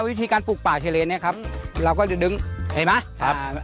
วิธีการปลูกป่าชายเลนนี่ครับเราก็จะดึงเห็นไหม